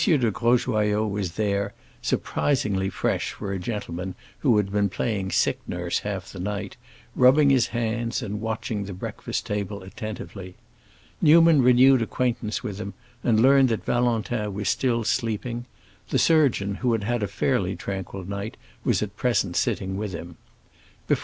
de Grosjoyaux was there, surprisingly fresh for a gentleman who had been playing sick nurse half the night, rubbing his hands and watching the breakfast table attentively. Newman renewed acquaintance with him, and learned that Valentin was still sleeping; the surgeon, who had had a fairly tranquil night, was at present sitting with him. Before M.